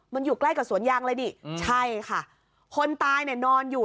มันอยู่ใกล้กับสวนยังไว้ดิอืมค่ะคนเนี้ยนอนอยู่